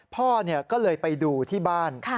พ่อก็เลยไปดูที่บ้าน